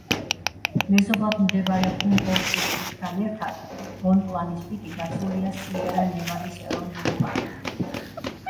მეზობლად მდებარე ჰუმბოლდტის პიკთან ერთად ბონპლანის პიკი დაცულია სიერა-ნევადის ეროვნული პარკით.